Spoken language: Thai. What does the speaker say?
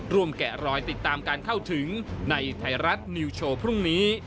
แกะรอยติดตามการเข้าถึงในไทยรัฐนิวโชว์พรุ่งนี้